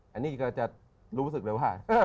อันนี้ก็จะรู้สึกเลยว่า